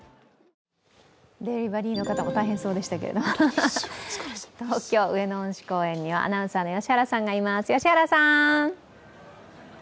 デリバリーの方も大変そうでしたけれども、東京・上野恩賜公園には、良原アナウンサーがいます。